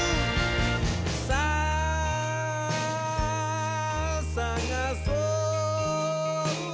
「さあさがそう」